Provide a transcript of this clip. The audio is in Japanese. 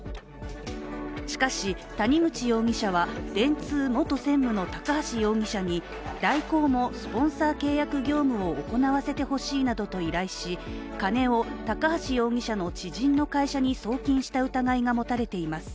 しかし、谷口容疑者は、電通元専務の高橋容疑者に大広もスポンサー契約業務を行わせてほしいなどと依頼し、金を高橋容疑者の知人の会社に送金した疑いが持たれています。